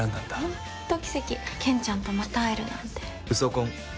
本当、奇跡ケンちゃんとまた会えるなんて。